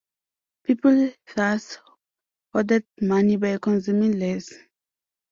People thus hoarded money by consuming less.